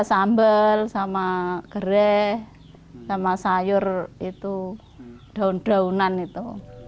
sambal sama gere sama sayur itu daun daunan itu